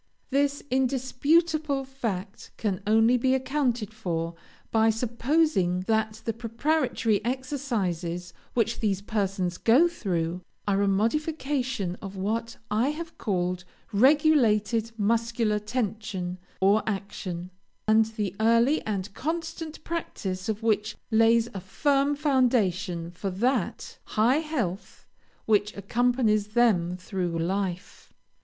This indisputable fact can only be accounted for by supposing that the preparatory exercises which these persons go through, are a modification of what I have called regulated muscular tension, or action, and the early and constant practice of which lays a firm foundation for that high health which accompanies them through life.